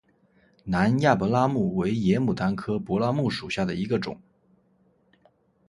南亚柏拉木为野牡丹科柏拉木属下的一个种。